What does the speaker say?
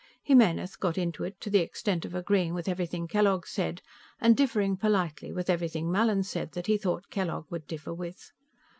Jimenez got into it to the extent of agreeing with everything Kellogg said, and differing politely with everything Mallin said that he thought Kellogg would differ with.